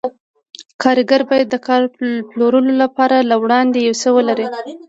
کارګر باید د کار پلورلو لپاره له وړاندې یو څه ولري